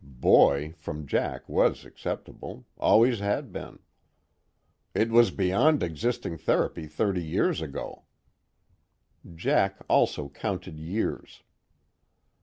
"Boy" from Jack was acceptable always had been. "It was beyond existing therapy thirty years ago." Jack also counted years.